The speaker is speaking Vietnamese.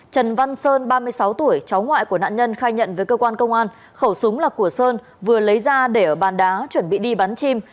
trần văn sơn ba mươi sáu tuổi cháu ngoại của nạn nhân khai nhận với cơ quan công an khẩu súng là của sơn vừa lấy ra để ở bàn đá chuẩn bị đi bắn chim